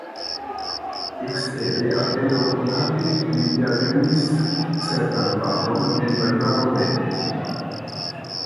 Ekstere apenaŭ konate li ja ĝuis certan famon en Vajmaro mem.